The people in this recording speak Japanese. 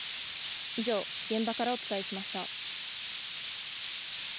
以上、現場からお伝えしました。